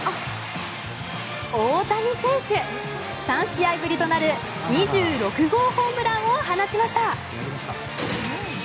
３試合ぶりとなる２６号ホームランを放ちました。